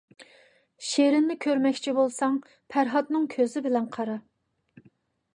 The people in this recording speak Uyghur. شىرىننى كۆرمەكچى بولساڭ پەرھادنىڭ كۆزى بىلەن قارا.